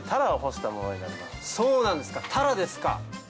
そうなんですかタラですか。